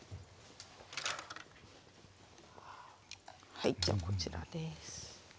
はいじゃあこちらです。